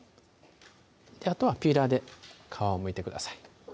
あとはピーラーで皮をむいてください